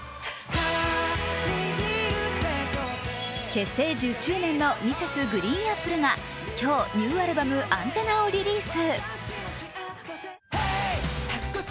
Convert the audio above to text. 結成１０周年のＭｒｓ．ＧＲＥＥＮＡＰＰＬＥが今日ニューアルバム「ＡＮＴＥＮＮＡ」をリリース。